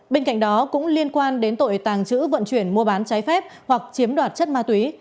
bên cạnh đó cũng liên quan đến tội tàng trữ vận chuyển mua bán trái phép hoặc chiếm đoạt chất ma túy